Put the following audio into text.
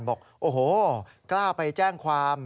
บอกโอ้โหกล้าไปแจ้งความ